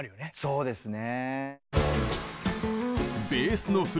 そうですね。